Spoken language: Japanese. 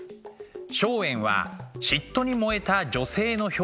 松園は嫉妬に燃えた女性の表情を描く